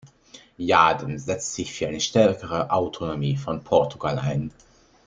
Jardim setzt sich für eine stärkere Autonomie von Portugal ein.